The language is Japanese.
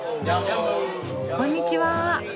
こんにちは。